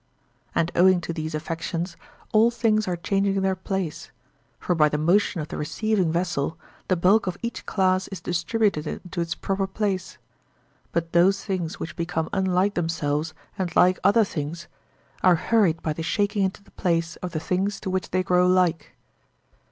And owing to these affections, all things are changing their place, for by the motion of the receiving vessel the bulk of each class is distributed into its proper place; but those things which become unlike themselves and like other things, are hurried by the shaking into the place of the things to which they grow like.